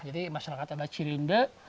jadi masyarakat ada cirinde